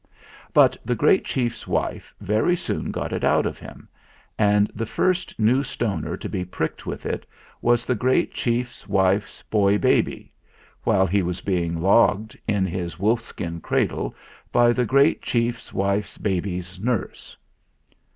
But the great chief's wife very soon got it out of him, and the first New Stoner to be pricked with it was the great chief's wife's boy baby, while he was being logged in his wolf skin cradle by the great chief's wife's baby's nurse.